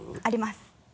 あります。